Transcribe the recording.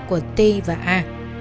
của t và a